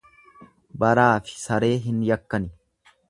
Baraafi saree hin yakkani.